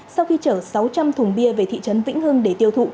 sau khi chở sáu trăm linh thùng bia về thị trấn vĩnh hưng để tiêu thụ